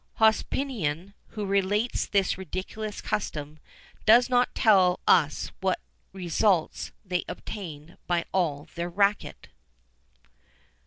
[XIV 31] Hospinian, who relates this ridiculous custom, does not tell us what results they obtained by all their racket.